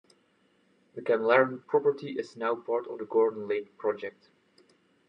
The Camlaren property is now part of the Gordon Lake Project.